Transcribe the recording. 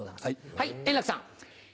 はい円楽さん。